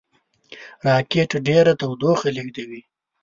راکټ ډېره تودوخه تولیدوي